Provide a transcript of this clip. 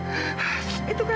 aku sudah ngeri